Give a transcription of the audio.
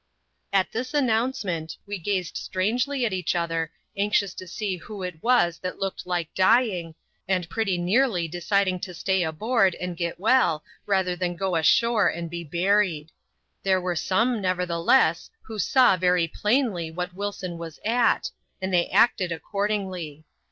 At this announcement, we gazed strangely at each other, anxious to see who it was that looked like dying, and pretty nearly deciding to stay aboard and get well, rather than go ashore and be buried. There were some, nevertheless, who saw very plainly what Wilson was at, and they acted accord ingly.